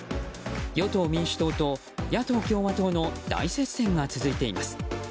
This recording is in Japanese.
与党・民主党と野党・共和党の大接戦が続いています。